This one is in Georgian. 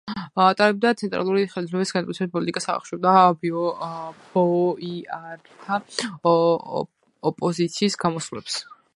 ატარებდა ცენტრალური ხელისუფლების განმტკიცების პოლიტიკას, ახშობდა ბოიართა ოპოზიციის გამოსვლებს.